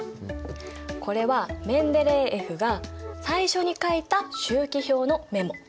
これはメンデレーエフが最初に書いた周期表のメモ。